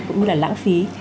cũng như là lãng phí